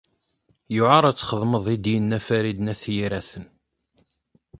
Yuɛeṛ ad t-txdemeḍ i d-yenna Farid n At Yiraten.